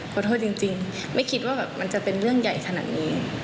ขอโทษเลยขอโทษจริงไม่คิดว่ามันจะเป็นเรื่องใหญ่ขนาดนี้